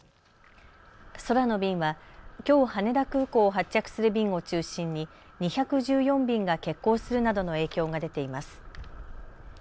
空の便は、きょう羽田空港を発着する便を中心に２１４便が欠航するなどの影響が出ています。